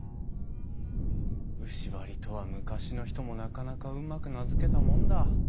牛梁とは昔の人もなかなかうまく名付けたもんだ。